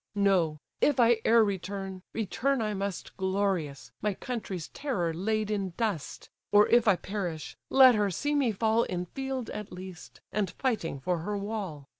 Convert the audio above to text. No—if I e'er return, return I must Glorious, my country's terror laid in dust: Or if I perish, let her see me fall In field at least, and fighting for her wall.